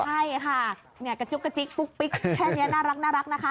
ใช่ค่ะเนี่ยกระจุกกระจิ๊กปุ๊กปิ๊กแค่นี้น่ารักนะคะ